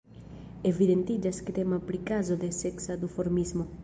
Evidentiĝas ke temas pri kazo de seksa duformismo.